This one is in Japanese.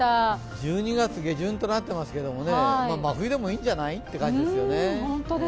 １２月下旬となっていますけれども、真冬でもいいんじゃない？というかんじですよね。